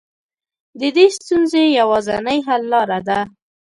د دې ستونزې يوازنۍ حل لاره ده.